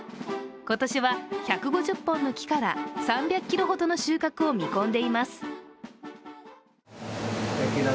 今年は１５０本の木から３００ｋｇほどの収穫を見込んでいます。